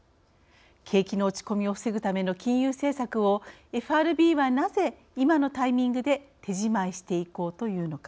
景気の落ち込みを防ぐための金融政策をＦＲＢはなぜ今のタイミングで手じまいしていこうというのか。